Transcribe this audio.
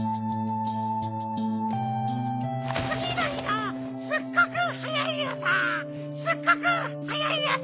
つぎのひのすっごくはやいあさ！